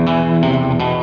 sampai jumpa pak